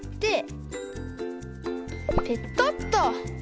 ペトッと。